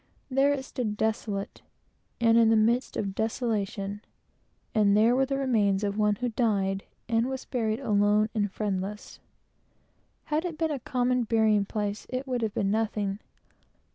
There it stood, desolate, and in the midst of desolation; and there were the remains of one who died and was buried alone and friendless. Had it been a common burying place, it would have been nothing.